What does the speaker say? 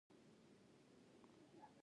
مصنوعي ځیرکتیا د وخت اغېزمن مدیریت ممکن کوي.